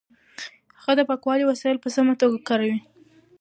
هغه د پاکوالي وسایل په سمه توګه کاروي.